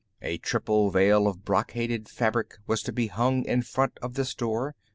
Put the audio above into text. A triple veil of brocaded fabric was to be hung in front of this door.